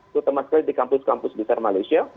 terutama sekali di kampus kampus besar malaysia